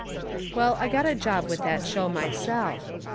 Well, I got a job with that show myself.